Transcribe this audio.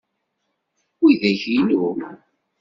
Widak inu.